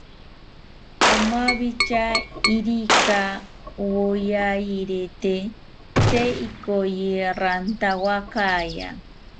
omawitya irika woyayirite, tee ikoyi rantawakaya